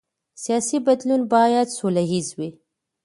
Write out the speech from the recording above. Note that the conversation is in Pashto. سیاسي بدلون باید سوله ییز وي